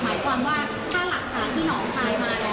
หมายความว่าถ้าหลักฐานที่หนองตายมาแล้ว